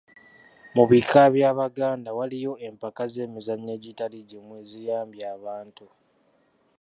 Mu Bika by'Abaganda waliyo empaka z'emizannyo egitali gimu eziyambye abantu.